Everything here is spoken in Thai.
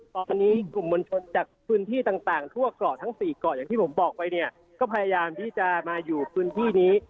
ตอนนี้กลุ่มมวลชนจากพื้นที่ต่างทั่วเกาะทั้ง๔เกาะอย่างที่ผมบอกไปเนี่ยก็พยายามที่จะมาอยู่พื้นที่นี้